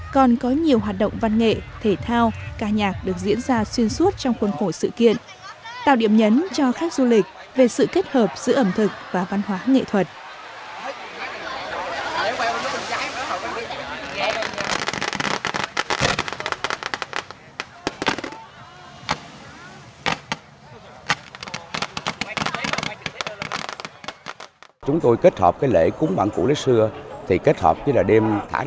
còn có nhiều hoạt động văn nghệ thể thao ca nhạc được diễn ra xuyên suốt trong khuôn khổ sự kiện tạo điểm nhấn cho khách du lịch về sự kết hợp giữa ẩm thực và văn hóa nghệ thuật